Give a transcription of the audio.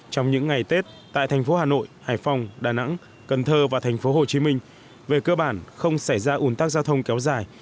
trong những ngày tết tại thành phố hà nội hải phòng đà nẵng cần thơ và thành phố hồ chí minh về cơ bản không xảy ra ủn tắc giao thông kéo dài